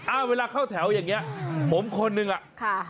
อ่าเวลาเข้าแถวอย่างนี้ผมคนนึงอ่ะค่ะ